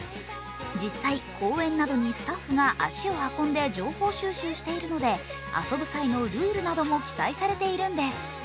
実際、公園などにスタッフが足を運んで情報収集しているので遊ぶ際のルールなども記載されているんです。